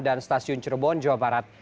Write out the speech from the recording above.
dan stasiun cirebon jawa barat